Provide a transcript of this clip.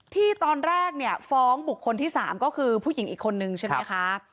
ที่ตอนแรกเนี่ยฟ้องบุคคลที่๓ก็คือผู้หญิงอีกคนนึงใช่ไหมคะ